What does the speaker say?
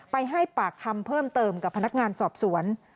ไปให้ปากคำเพิ่มเติมกับพนักงานสอบสวน